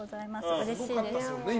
うれしいです。